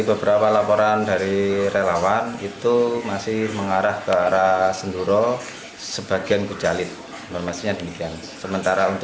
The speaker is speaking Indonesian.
beberapa laporan dari relawan itu masih mengarah ke arah senduro sebagian kucali memastikan sementara